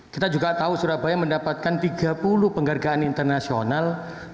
kita juga tahu surabaya mendapatkan tiga puluh penghargaan internasional